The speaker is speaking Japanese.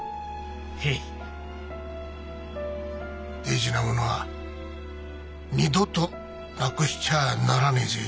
大事なものは二度と無くしちゃならねえぜ。